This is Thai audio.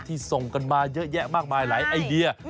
ส่งกันมาเยอะแยะมากมายหลายไอเดีย